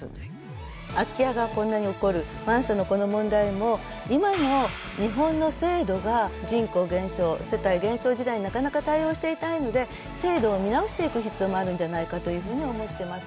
空き家がこんなに起こるマンションのこの問題も今の日本の制度が人口減少世帯減少自体になかなか対応していないので制度を見直していく必要もあるんじゃないかというふうに思ってます。